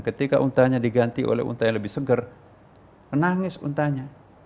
ketika untanya diganti oleh untanya lebih seger menangis untanya